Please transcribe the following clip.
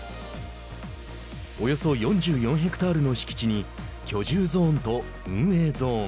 およそ４４ヘクタールの敷地に居住ゾーンと運営ゾーン